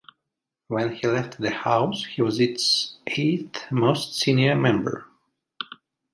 When he left the House, he was its eighth most senior member.